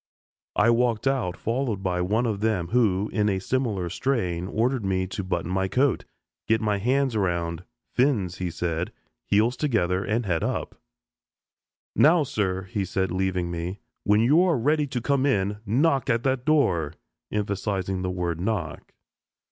I walked out, followed by one of them, who, in a similar strain, ordered me to button my coat, get my hands around "fins" he said heels together, and head up. "Now, sir," said he, leaving me, "when you are ready to come in, knock at that door," emphasizing the word "knock."